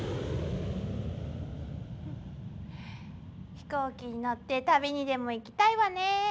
飛行機に乗って旅にでも行きたいわねえ。